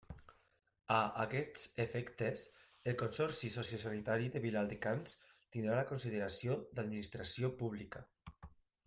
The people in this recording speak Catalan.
A aquests efectes, el Consorci Sociosanitari de Viladecans tindrà la consideració d'Administració Pública.